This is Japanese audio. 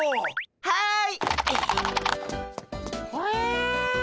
はい。